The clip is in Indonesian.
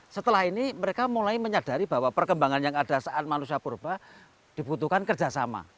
setelah ini mereka mulai menyadari bahwa perkembangan yang ada saat manusia purba dibutuhkan kerjasama